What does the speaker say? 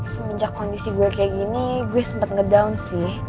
semenjak kondisi gue kayak gini gue sempat ngedown sih